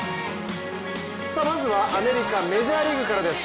まずはアメリカメジャーリーグからです。